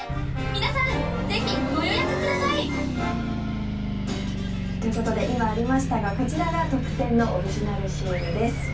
皆さん、ぜひご予約ください！ということで今、ありましたがこちらが特典のオリジナルシールです。